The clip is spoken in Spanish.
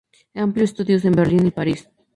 Amplió estudios en Berlín y París.